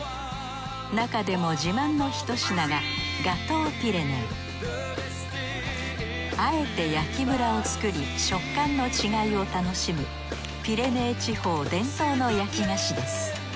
なかでも自慢の一品があえて焼きムラを作り食感の違いを楽しむピレネー地方伝統の焼き菓子です。